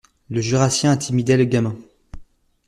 Le Jurassien intimidait le gamin